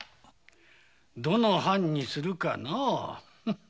どの藩にするかな？